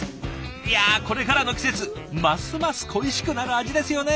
いやこれからの季節ますます恋しくなる味ですよね。